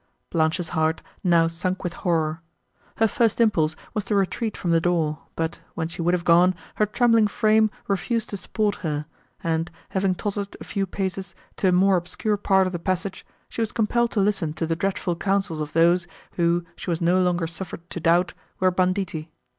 Blanche's heart now sunk with horror. Her first impulse was to retreat from the door, but, when she would have gone, her trembling frame refused to support her, and, having tottered a few paces, to a more obscure part of the passage, she was compelled to listen to the dreadful councils of those, who, she was no longer suffered to doubt, were banditti.